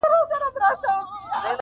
• او ځينې پوښتني بې ځوابه وي تل..